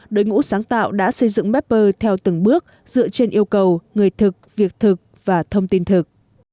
đối ngũ sáng tạo đã xây dựng mapper theo từng bước dựa trên yêu cầu người thực việc thực và thông tin thực